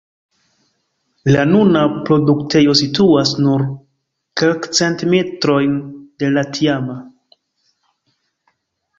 La nuna produktejo situas nur kelkcent metrojn de la tiama.